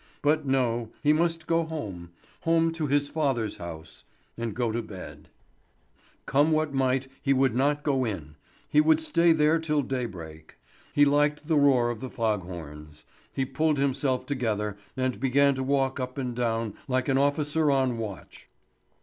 But no, he must go home—home to his father's house, and go to bed. He would not. Come what might he would not go in; he would stay there till daybreak. He liked the roar of the fog horns. He pulled himself together and began to walk up and down like an officer on watch.